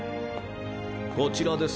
こちらです